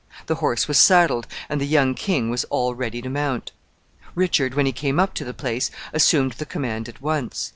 The horse was saddled, and the young king was all ready to mount. Richard, when he came up to the place, assumed the command at once.